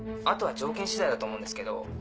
あとは条件次第だと思うんですけど。